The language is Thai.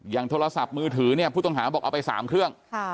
โทรศัพท์มือถือเนี่ยผู้ต้องหาบอกเอาไป๓เครื่อง